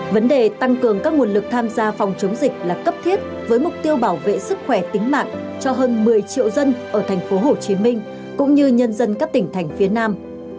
vấn đề tăng cường các nguồn lực tham gia phòng chống dịch là cấp thiết với mục tiêu bảo vệ sức khỏe tính mạng cho hơn một mươi triệu dân ở tp hcm cũng như nhân dân các tỉnh thành phía nam